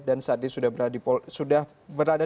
dan saat ini sudah berada